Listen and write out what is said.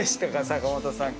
坂本さん